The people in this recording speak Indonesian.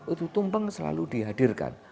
itu tumpeng selalu dihadirkan